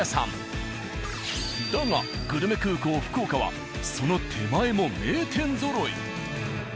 だがグルメ空港福岡はその手前も名店ぞろい。